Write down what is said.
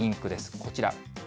こちら。